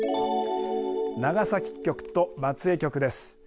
長崎局と松江局です。